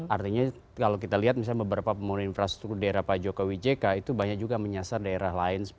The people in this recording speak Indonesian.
artinya kalau kita lihat misalnya beberapa pembangunan infrastruktur daerah pak jokowi jk itu banyak juga menyasar daerah lain